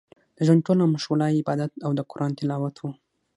د ژوند ټوله مشغولا يې عبادت او د قران تلاوت و.